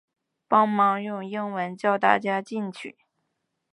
帮忙用英文叫大家进去